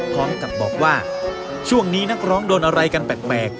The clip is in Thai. พร้อมกับบอกว่าช่วงนี้นักร้องโดนอะไรกันแปลก